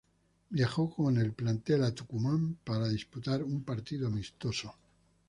Viajó con el plantel a Tucumán, para disputar un partido amistoso.